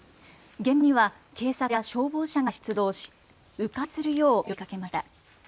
現場には警察や消防車が出動しう回するよう呼びかけました。